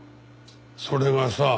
それがさ